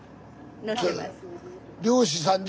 乗ってます。